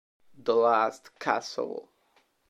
The Last Castle